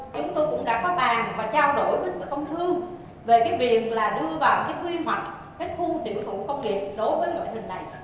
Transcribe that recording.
chúng tôi cũng đã có bàn và trao đổi với sở tài về việc đưa vào quy hoạch khu tiểu thủ công nghiệp đối với loại hình này